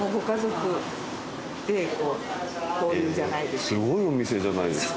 すごいお店じゃないですか。